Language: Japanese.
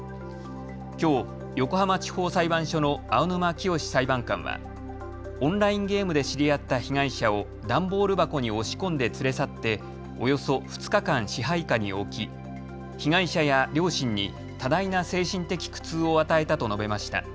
きょう横浜地方裁判所の青沼潔裁判官はオンラインゲームで知り合った被害者を段ボール箱に押し込んで連れ去って、およそ２日間支配下に置き被害者や両親に多大な精神的苦痛を与えたと述べました。